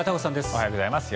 おはようございます。